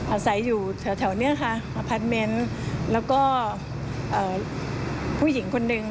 อาศัยอยู่แถวเนี่ยค่ะอพาร์ทเมนต์แล้วก็ผู้หญิงคนนึง